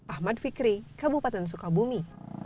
ahmad fikri kabupaten sukabumi